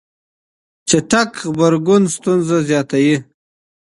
چټک غبرګون ستونزه زياتوي.